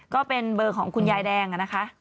ก็เป็นเบอร์ของคุณยายแดงนะคะ